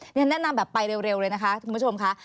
ฉันแนะนำแบบไปเร็วเลยนะคะคุณผู้ชมค่ะ